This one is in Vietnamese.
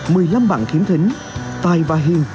với những yêu cầu như nhanh nhẹn